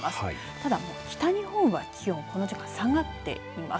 ただ北日本は気温この時間下がっています。